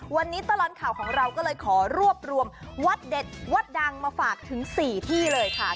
วันนี้ตลอดข่าวของเราก็เลยขอรวบรวมวัดเด็ดวัดดังมาฝากถึง๔ที่เลยค่ะ